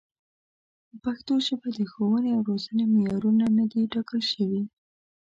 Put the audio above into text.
په پښتو ژبه د ښوونې او روزنې معیارونه نه دي ټاکل شوي.